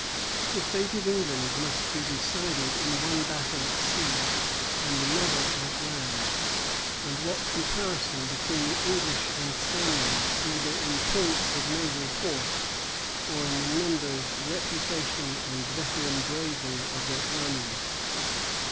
The fate of England must be decided in one battle at sea, and another at land; and what comparison between the English and Spaniards, either in point of naval force, or in the numbers, reputation, and veteran bravery of their armies?